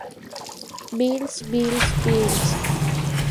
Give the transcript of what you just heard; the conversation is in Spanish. Bills Bills Bills.